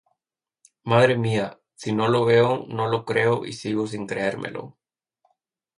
¡Madre, mía!. Si no lo veo, no lo creo y sigo sin creérmelo.